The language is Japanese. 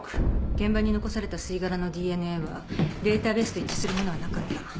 現場に残された吸い殻のＤＮＡはデータベースと一致するものはなかった。